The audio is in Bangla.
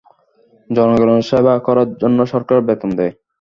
জনগণের সেবার করার জন্য সরকার বেতন দেয়।